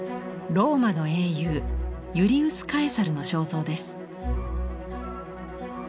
ローマの英雄ユリウス・カエサルの肖像です。